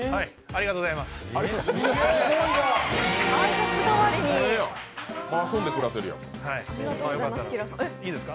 ありがとうございます。